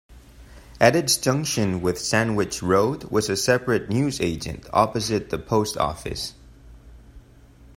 At its junction with Sandwich Road was a separate newsagent, opposite the post office.